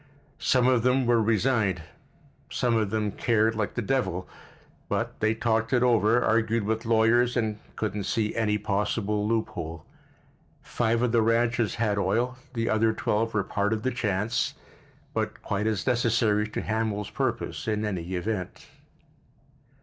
Some of them were resigned—some of them cared like the devil, but they'd talked it over, argued it with lawyers and couldn't see any possible loophole. Five of the ranches had oil, the other twelve were part of the chance, but quite as necessary to Hamil's purpose, in any event.